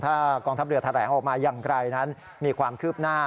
ถ้ากองทัพเรือแถลงออกมาอย่างไรนั้นมีความคืบหน้า